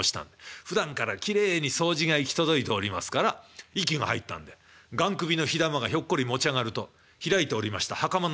普段からきれいに掃除が行き届いておりますから息が入ったんでがん首の火玉がひょっこり持ち上がると開いておりました袴の裾へ。